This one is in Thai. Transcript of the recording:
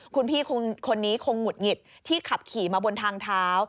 คุณพี่คนนี้คงหุดหงิดที่ขับขี่มาบนทางเท้า